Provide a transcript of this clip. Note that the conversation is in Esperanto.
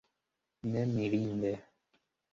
Ne mirinde!